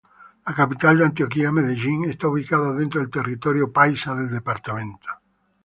La capital de Antioquia, Medellín, está ubicada dentro del territorio paisa del departamento.